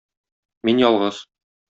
Мин ялгыз.